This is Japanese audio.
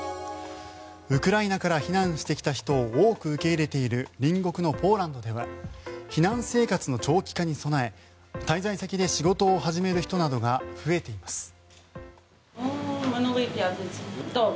ウクライナから避難してきた人を多く受け入れている隣国のポーランドでは避難生活の長期化に備え滞在先で仕事を始める人などが増えています。